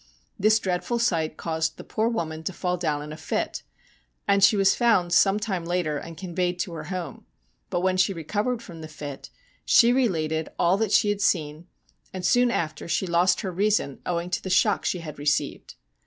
This dreadful sight caused the poor woman to fall down in a fit, and she was found sometime later and conveyed to her home ; but when she recovered from the fit, she related all that she had seen, and soon after she lost her reason, owing to the shock she had received.